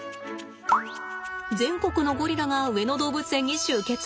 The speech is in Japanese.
全国のゴリラが上野動物園に集結。